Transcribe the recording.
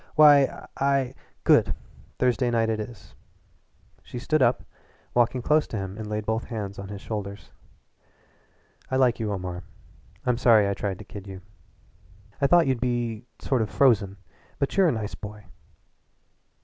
"Why, I " "Good! Thursday night it is." She stood up and walking close to him laid both hands on his shoulders. "I like you, Omar. I'm sorry I tried to kid you. I thought you'd be sort of frozen, but you're a nice boy."